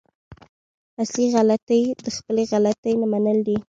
اصلي غلطي د خپلې غلطي نه منل دي.